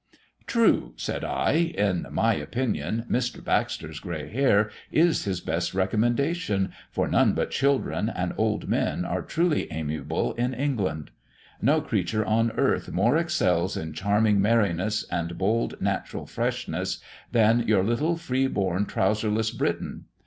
"True!" said I. "In my opinion, Mr. Baxter's grey hair is his best recommendation, for none but children and old men are truly amiable in England. No creature on earth more excels in charming merriness and bold natural freshness, than your little freeborn, trouserless Briton.